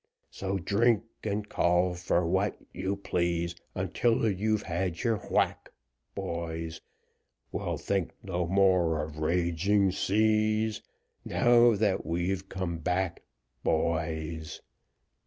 So drink, and call for what you please, Until you've had your whack, boys; We'll think no more of raging seas, Now that we've come back, boys.